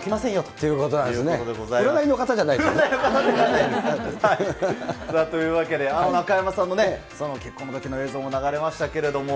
ということなんですね。というわけで、中山さんの結婚のときの映像も流れましたけれども。